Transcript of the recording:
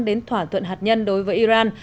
đến thỏa thuận hạt nhân đối với iran